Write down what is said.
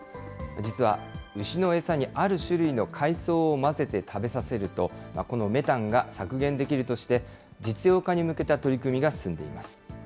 実は、牛の餌にある種類の海藻を混ぜて食べさせると、このメタンが削減できるとして、実用化に向けた取り組みが進んでいます。